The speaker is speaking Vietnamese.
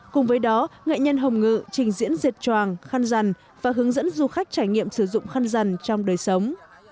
cùng với đó nghệ nhân hồng ngự trình diễn dệt troàng khăn rằn và hướng dẫn du khách trải nghiệm sử dụng khăn rằn trong đời sống